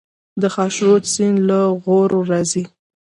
د خاشرود سیند له غور راځي